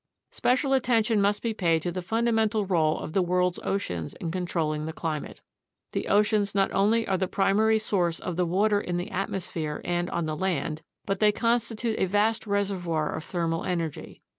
Special attention must be paid to the fundamental role of the world's oceans in controlling the climate. The oceans not only are the primary source of the water in the atmosphere and on the land, but they consti tute a vast reservoir of thermal energy.